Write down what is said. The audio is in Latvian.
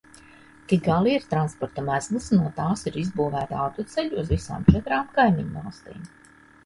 Kigali ir transporta mezgls, no tās ir izbūvēti autoceļi uz visām četrām kaimiņvalstīm.